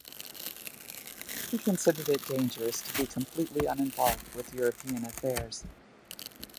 He considered it dangerous to be completely uninvolved with European affairs.